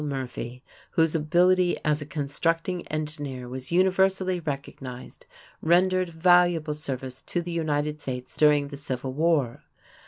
Murphy, whose ability as a constructing engineer was universally recognized, rendered valuable service to the United States during the Civil War.